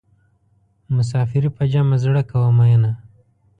مسافري په جمع زړه کوه مینه.